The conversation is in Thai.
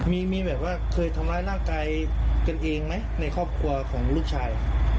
มีแบบว่าเคยทำร้ายร่างกายกันเองไหมในครอบครัวของลูกชาย